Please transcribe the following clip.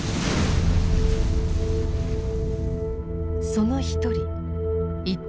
その一人一等